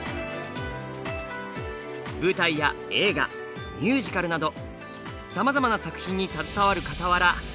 舞台や映画ミュージカルなどさまざまな作品に携わるかたわら